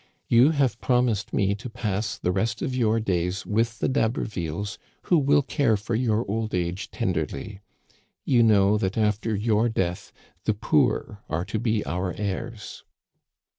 You have promised me to pass the rest of your days with the D'Habervilles, who will care for your old age tenderly. You know that after your death the poor are to be our heirs."